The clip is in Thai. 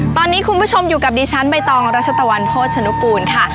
ตอนนี้คุณผู้ชมอยู่กับดิฉันใบตองรัชตะวันโภชนุกูลค่ะ